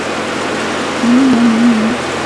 刘元霖人。